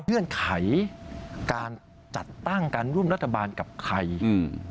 เงื่อนไขการจัดตั้งการร่วมรัฐบาลกับใครอืม